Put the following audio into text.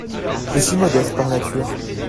Je suis modeste par nature.